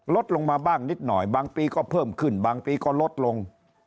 ลดลงมาบ้างนิดหน่อยบางปีก็เพิ่มขึ้นบางปีก็ลดลง